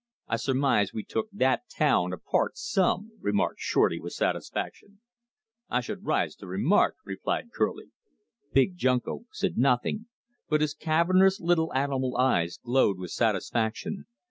"I surmise we took that town apart SOME!" remarked Shorty with satisfaction. "I should rise to remark," replied Kerlie. Big Junko said nothing, but his cavernous little animal eyes glowed with satisfaction.